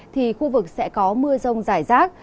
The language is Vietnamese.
thì khu vực sẽ có mưa rông dài rác